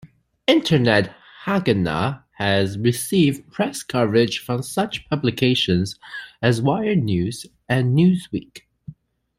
Internet Haganah has received press coverage from such publications as "Wired News" and "Newsweek".